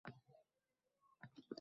Buxoro Samarqandga nisbatan sharqonaroq.